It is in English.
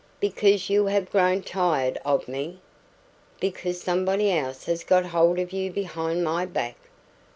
"Because you have grown tired of me! Because somebody else has got hold of you behind my back!